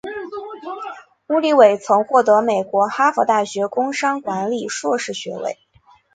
乌里韦曾获美国哈佛大学工商管理硕士学位。